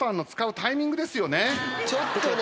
ちょっとね。